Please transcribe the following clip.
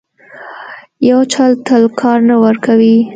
یو چل تل کار نه ورکوي.